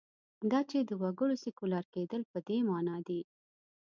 دا چې د وګړو سیکولر کېدل په دې معنا دي.